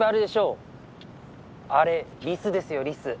あれリスですよリス。